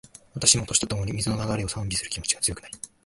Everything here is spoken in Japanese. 私も、年とともに、水の流れを賛美する気持ちが強くなり